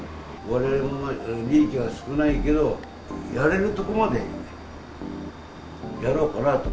われわれも利益は少ないけど、やれるところまでやろうかなと。